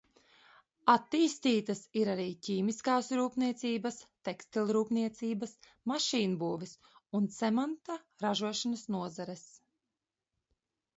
Attīstītas ir arī ķīmiskās rūpniecības, tekstilrūpniecības, mašīnbūves un cementa ražošanas nozares.